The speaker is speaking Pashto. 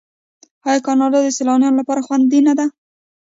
آیا کاناډا د سیلانیانو لپاره خوندي نه ده؟